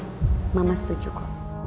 iya mama setujuku